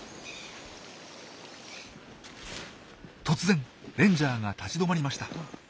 突然レンジャーが立ち止まりました。